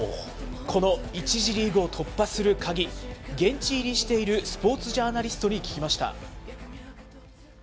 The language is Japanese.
この１次リーグを突破する鍵、現地入りしているスポーツジャーナリストに聞きました。